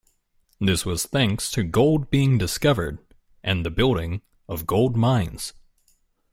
This was thanks to gold being discovered and the building of gold mines.